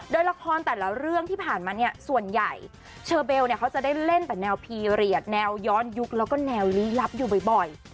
โดยละครแต่ละเรื่องที่ผ่านมาเนี่ยส่วนใหญ่เชอเบลเนี่ยเขาจะได้เล่นแต่แนวพีเรียสแนวย้อนยุคแล้วก็แนวลี้ลับอยู่บ่อย